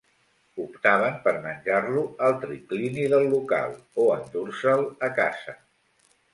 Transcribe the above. Optaven per menjar-lo al triclini del local o endur-se'l a casa.